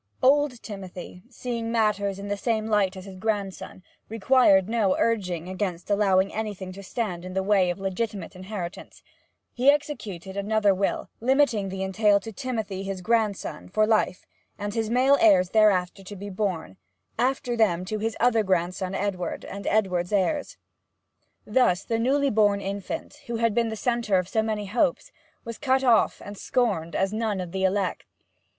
Old Timothy, seeing matters in the same light as his grandson, required no urging against allowing anything to stand in the way of legitimate inheritance; he executed another will, limiting the entail to Timothy his grandson, for life, and his male heirs thereafter to be born; after them to his other grandson Edward, and Edward's heirs. Thus the newly born infant, who had been the centre of so many hopes, was cut off and scorned as none of the elect.